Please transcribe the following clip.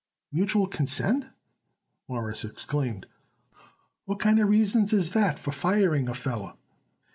"Mutual consent?" Morris exclaimed. "What kind of reasons is that for firing a feller?"